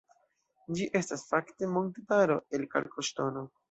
Ĝi estas fakte montetaro, el kalkoŝtono.